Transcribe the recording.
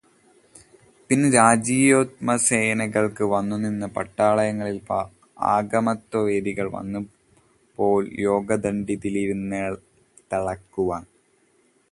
പിന്നെ രാജകീയോന്മത്തസേനകൾ വന്നു നിന്നു പടപ്പാളയങ്ങളിൽ ആഗമതത്വവേദികൾ വന്നുപോൽ യോഗദണ്ഡിതിലിതിനെത്തളയ്ക്കുവാൻ